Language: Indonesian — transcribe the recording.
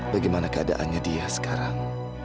bagaimana keadaannya dia sekarang